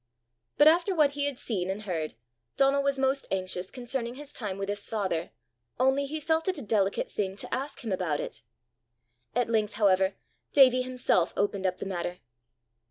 But after what he had seen and heard, Donal was most anxious concerning his time with his father, only he felt it a delicate thing to ask him about it. At length, however, Davie himself opened up the matter.